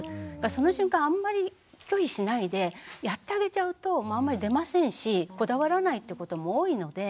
その瞬間あんまり拒否しないでやってあげちゃうとあんまり出ませんしこだわらないってことも多いので。